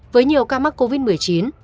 với nhiều ca mắc covid một mươi chín